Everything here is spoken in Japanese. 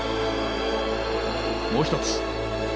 もう１つ。